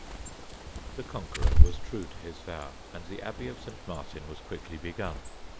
_] The Conqueror was true to his vow, and the Abbey of St. Martin was quickly begun.